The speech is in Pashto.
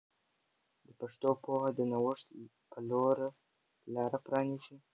د پښتو پوهه د نوښت په لور لاره پرانیسي.